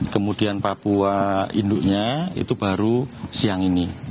kemudian papua induknya itu baru siang ini